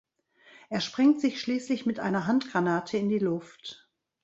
Er sprengt sich schließlich mit einer Handgranate in die Luft.